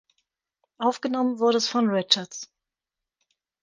Aufgenommen wurde es von Richards.